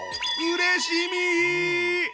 うれしみ！